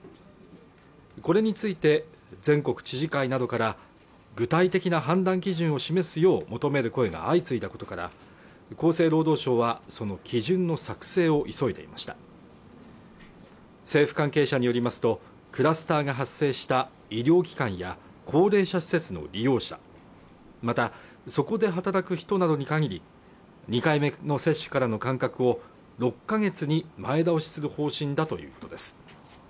これについて全国知事会などから具体的な判断基準を示すよう求める声が相次いだことから厚生労働省はその基準の作成を急いでいました政府関係者によりますとクラスターが発生した医療機関や高齢者施設の利用者またそこで働く人などに限り２回目の接種からの間隔を６か月に前倒しする方針だということです